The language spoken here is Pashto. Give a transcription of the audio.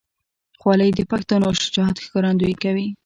خولۍ د پښتنو شجاعت ښکارندویي کوي.